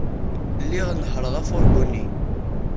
Lliɣ nehhṛeɣ afurgu-nni.